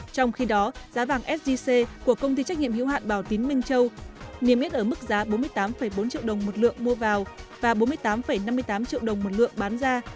trong khi đó giá vàng sgc của công ty trách nhiệm hiếu hạn bảo tín minh châu niêm yết ở mức giá bốn mươi tám bốn triệu đồng một lượng mua vào và bốn mươi tám năm mươi tám triệu đồng một lượng bán ra